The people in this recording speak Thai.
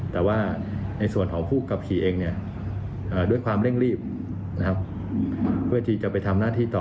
แต่ว่าในส่วนของผู้ขับขี่เองด้วยความเร่งรีบเพื่อที่จะไปทำหน้าที่ต่อ